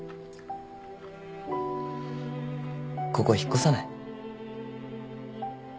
ここ引っ越さない？